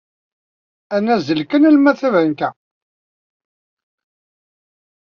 Ad nazzel kan arma d tabanka.